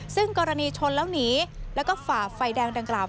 ซึ่งกรณีชนแล้วหนีแล้วก็ฝ่าไฟแดงดังกล่าว